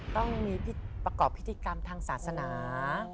ต้องมีประกอบพิธีกรรมทางศาสนา